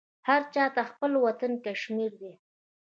هرچاته خپل وطن کشمیردی